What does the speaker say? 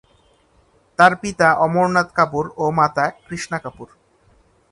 তার পিতা অমরনাথ কাপুর ও মাতা কৃষ্ণা কাপুর।